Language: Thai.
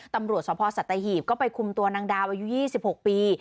ตำรวจสภสัตหีบก็ไปคุมตัวนางดาวอายุ๒๖ปี